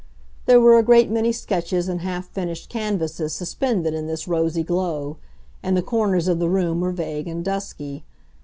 There were a great many sketches and half finished canvasses suspended in this rosy glow, and the corners of the room were vague and dusky.